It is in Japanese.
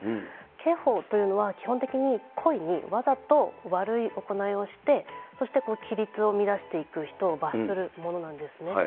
刑法というのは基本的に故意に、わざと悪い行いをして、そして規律を乱していく人を罰するものなんですね。